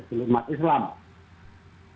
tentunya selama dua ramadan dan dua